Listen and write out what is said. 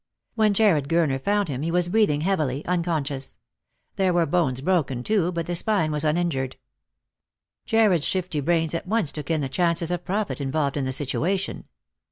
When Jarred Gurner found him he was breathing heavily, unconscious; there were bones broken too, but the 6pine was uninjured. Jarred's shifty brains at once took in the chances of profit involved in the situation.